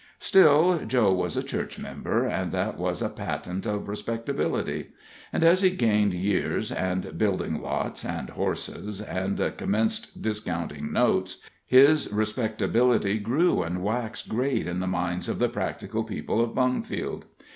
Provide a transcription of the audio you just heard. Still, Joe was a church member, and that was a patent of respectability. And as he gained years, and building lots, and horses, and commenced discounting notes, his respectability grew and waxed great in the minds of the practical people of Bungfield.